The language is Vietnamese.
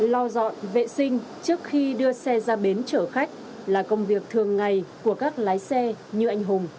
lo dọn vệ sinh trước khi đưa xe ra bến chở khách là công việc thường ngày của các lái xe như anh hùng